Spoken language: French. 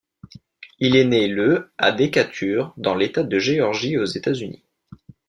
Il est né le à Decatur dans l’État de Géorgie aux États-Unis.